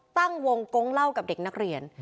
ตั้งวงกงเล่ากับเด็กนักเรียน